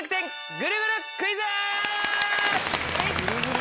ぐるぐるクイズ！